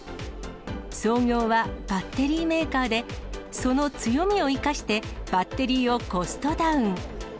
創業はバッテリーメーカーで、その強みを生かして、バッテリーをコストダウン。